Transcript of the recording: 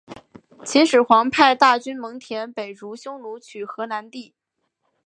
秦始皇派大将蒙恬北逐匈奴取河南地。